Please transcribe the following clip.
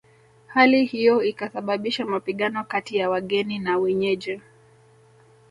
Hali hiyo ikasababisha mapigano kati ya wageni na wenyeji